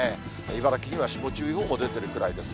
茨城には霜注意報も出ているくらいです。